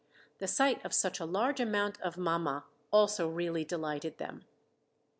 The sight of such a large amount of "mama" also really delighted them.